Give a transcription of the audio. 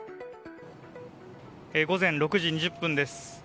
午前６時２０分です。